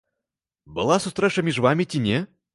Была сустрэча між вамі ці не?